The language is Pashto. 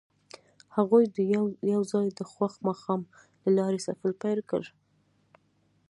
هغوی یوځای د خوښ ماښام له لارې سفر پیل کړ.